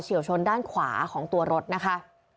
วชนด้านขวาของตัวรถนะคะ